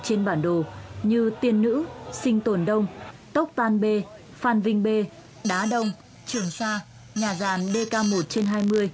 trên bản đồ như tiên nữ sinh tồn đông tóc tan b phan vinh b đá đông trường sa nhà ràn dk một trên hai mươi